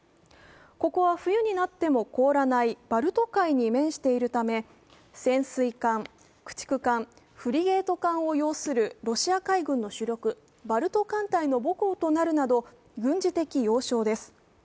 ここは冬になっても凍らないバルト海に面しているため、潜水艦、駆逐艦、フリゲート艦を擁するロシア艦隊の主力、バルト艦隊の母港となるなど軍事的要衝です。